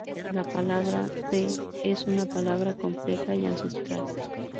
La palabra "de" 德 es una palabra compleja y ancestral.